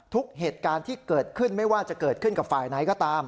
เหตุการณ์ที่เกิดขึ้นไม่ว่าจะเกิดขึ้นกับฝ่ายไหนก็ตาม